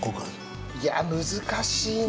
いやあ難しいな。